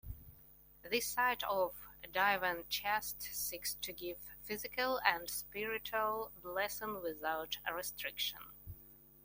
The side of Divine Chesed seeks to give physical and spiritual blessing without restriction.